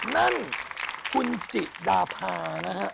นั่นคุณจิดาพานะฮะ